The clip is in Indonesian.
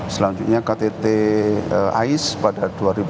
selanjutnya ktt ais pada dua ribu dua puluh